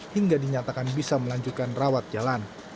hingga dinyatakan bisa melanjutkan rawat jalan